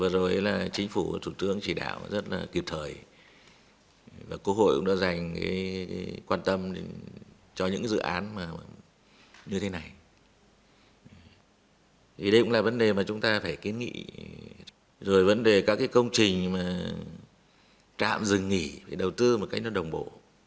rồi vấn đề các công trình trạm dừng nghỉ đầu tư một cách nó đồng bộ